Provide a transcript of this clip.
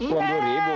uang dua ribu